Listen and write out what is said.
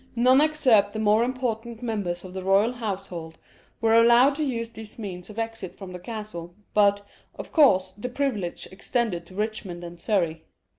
None except the more important members of the royal household were allowed to use this means of exit from the castle, but, of course, the privilege extended to Richmond and Surrey.